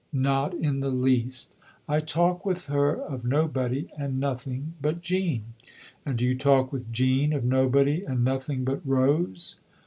"Not in the least. I talk with her of nobody and nothing but Jean." " And do you talk with Jean of nobody and nothing but Rose